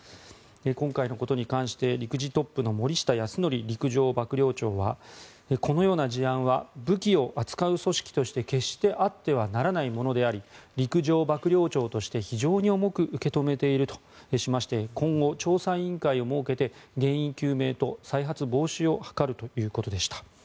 今回のことに関して陸自トップの森下泰臣陸上幕僚長はこのような事案は武器を扱う組織として決してあってはならないものであり陸上幕僚長として非常に重く受け止めているとしまして今後、調査委員会を設けて原因究明と再発防止を図るということでした。